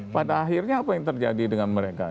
pada akhirnya apa yang terjadi dengan mereka